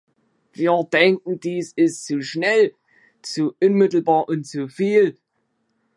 Wir denken, dies ist zu schnell, zu unmittelbar und zu viel.